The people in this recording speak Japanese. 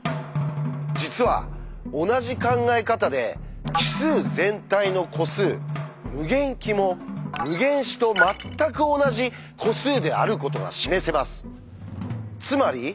実は同じ考え方で奇数全体の個数「∞き」も「∞自」とまったく同じ個数であることが示せます。